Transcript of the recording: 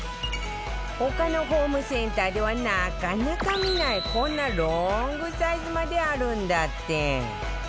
他のホームセンターではなかなか見ないこんなロングサイズまであるんだって